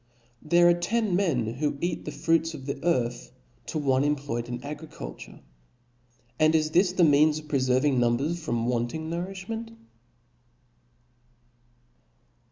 There are ten men who eat the fruits B o o 9 of the earth to one employed in agriculture , and chap. % is this the means to preferve numbers from wanc ing nourifbmenc